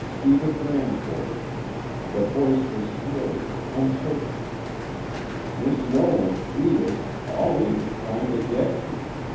Edith ran for it. The voice was slurred, uncertain. "Miss Nolan Edith all evening trying to get you.